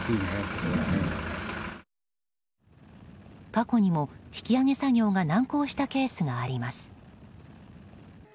過去にも引き揚げ作業が難航したケースがあります。